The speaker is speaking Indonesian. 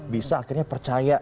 bisa akhirnya percaya